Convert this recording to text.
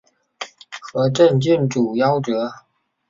和政郡主夭折。